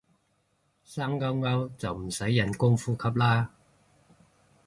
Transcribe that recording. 生勾勾就唔使人工呼吸啦